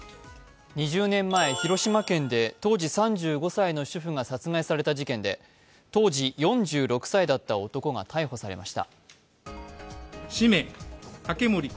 広島県で当時３５歳の主婦が殺害された事件ンで当時４６歳だった男が逮捕されました。